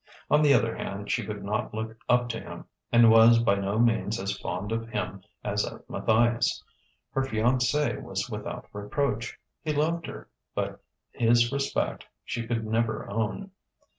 On the other hand, she could not look up to him, and was by no means as fond of him as of Matthias. Her fiancée was without reproach: he loved her; but his respect she could never own.